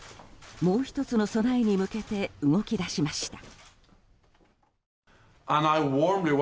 もう１つの備えに向けて動き出しました。